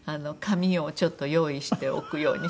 紙をちょっと用意しておくようにしていますけど。